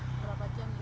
berapa jam itu